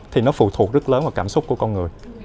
thì nó phụ thuộc rất lớn vào cảm xúc của con người